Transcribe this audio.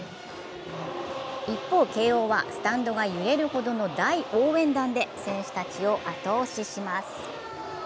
一方、慶応はスタンドが揺れるほどの大応援団で選手たちを後押しします。